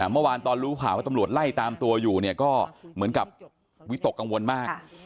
เมื่อวานตอนรู้ข่าวว่าตำรวจไล่ตามตัวอยู่เนี่ยก็เหมือนกับวิตกกังวลมาก